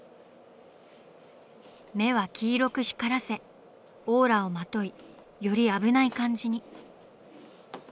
目は黄色く光らせオーラをまといより危ない感じに。